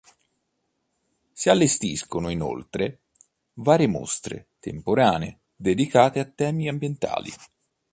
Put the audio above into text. Si allestiscono, inoltre, varie mostre temporanee dedicate a temi ambientali.